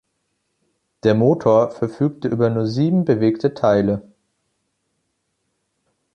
Der Motor verfügte über nur sieben bewegte Teile.